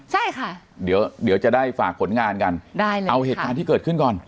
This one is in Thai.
ใช่ค่ะเดี๋ยวเดี๋ยวจะได้ฝากผลงานกันได้แล้วเอาเหตุการณ์ที่เกิดขึ้นก่อน